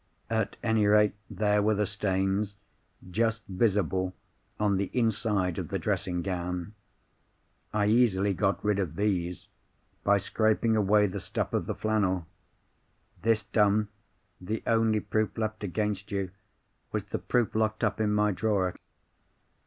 At any rate, there were the stains, just visible, on the inside of the dressing gown. I easily got rid of these by scraping away the stuff of the flannel. This done, the only proof left against you was the proof locked up in my drawer.